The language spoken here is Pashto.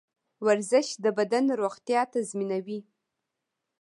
ورزش د بدن روغتیا تضمینوي.